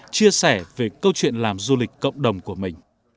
chia sẻ về câu chuyện làm du lịch cộng đồng của mình